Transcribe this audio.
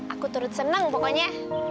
aku turut seneng pokoknya